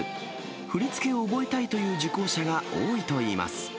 振り付けを覚えたいという受講者が多いといいます。